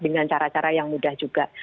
dengan cara cara yang mudah juga